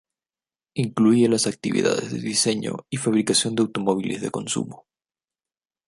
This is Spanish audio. Incluye las actividades de diseño y fabricación de automóviles de consumo.